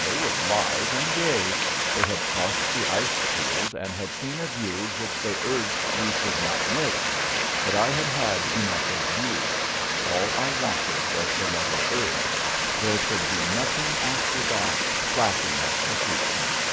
They were blithe and gay. They had crossed the ice field and had seen a view which they urged we should not miss. But I had had enough view. All I wanted was the level earth. There could be nothing after that flat enough to suit me.